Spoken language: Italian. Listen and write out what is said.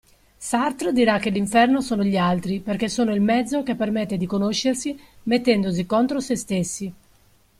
Sartre dirà che l'inferno sono gli altri perché sono il mezzo che permette di conoscersi mettendosi contro sé stessi.